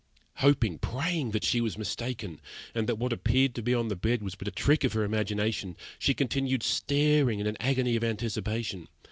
Hoping, praying, that she was mistaken, and that what appeared to be on the bed was but a trick of her imagination, she continued staring in an agony of anticipation.